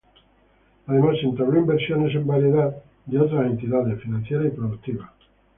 Además entabló inversiones en variedad de otras entidades, financieras y productivas.